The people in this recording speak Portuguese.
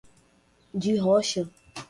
De rocha